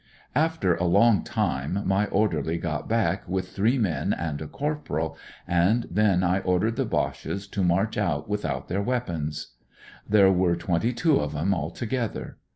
"After a long time my orderly got back with three men and a corporal, 176 A COOL CANADIAN and then I ordered the Boches to march out without their weapons. There were twenty two of 'em altogether.